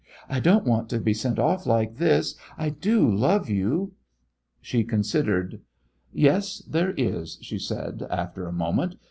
I don't want to be sent off like this. I do love you!" She considered. "Yes, there is," she said, after a moment.